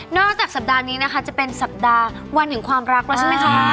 จากสัปดาห์นี้นะคะจะเป็นสัปดาห์วันแห่งความรักแล้วใช่ไหมคะ